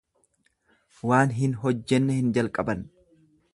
Waan hin hojjenne hin jalqaban.